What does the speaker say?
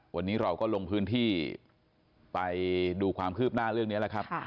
วันนี้เราก็ลงพื้นที่ไปดูความคืบหน้าเรื่องนี้แล้วครับ